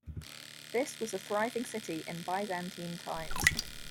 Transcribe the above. This was a thriving city in Byzantine times.